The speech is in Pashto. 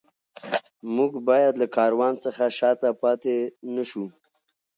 موږ باید له کاروان څخه شاته پاتې نه شو.